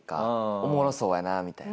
おもろそうやなみたいな。